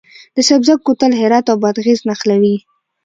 د سبزک کوتل هرات او بادغیس نښلوي